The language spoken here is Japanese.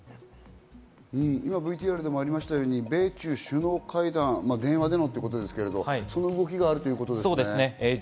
今、ＶＴＲでもありましたように、米中首脳会談、電話でのということですけど、その動きがあるということですね。